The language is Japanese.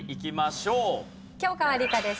教科は理科です。